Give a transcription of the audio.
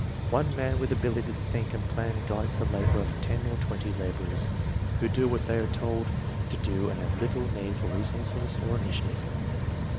One man with ability to think and plan guides the labor of ten or twenty laborers, who do what they are told to do and have little need for resourcefulness or initiative.